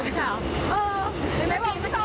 ตั้งสองที่หัว